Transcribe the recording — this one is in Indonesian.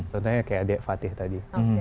contohnya kayak adik fatih tadi